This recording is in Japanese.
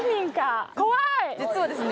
怖い実はですね